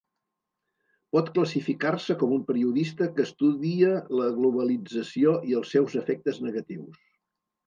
Pot classificar-se com un periodista que estudia la globalització i els seus efectes negatius.